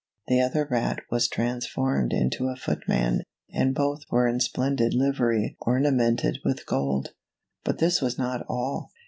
The other rat was trans formed into a footman, and both were in splendid livery ornamented with gold. But this was not all.